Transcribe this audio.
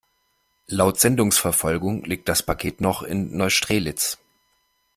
Laut Sendungsverfolgung liegt das Paket noch in Neustrelitz.